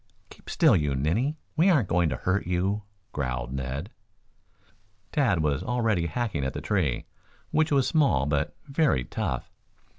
"Keep still, you ninny! We aren't going to hurt you," growled Ned. Tad was already hacking at the tree, which was small, but very tough.